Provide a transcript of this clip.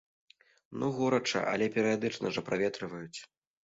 Ну, горача, але перыядычна жа праветрываюць.